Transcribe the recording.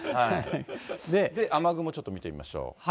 雨雲ちょっと見てみましょう。